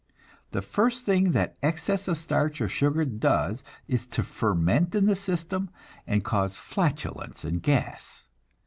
The first thing that excess of starch or sugar does is to ferment in the system, and cause flatulence and gas.